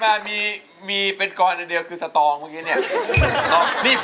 ๔๕บาทที่มามีเป็นกรอนอันเดียวคือสตองเมื่อกี้เนี่ย